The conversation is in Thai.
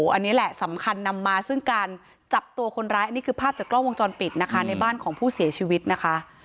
อันนี้แหละสำคัญนำมาซึ่งการจับตัวคนร้ายอันนี้คือภาพจากกล้องวงจรปิดนะคะในบ้านของผู้เสียชีวิตนะคะ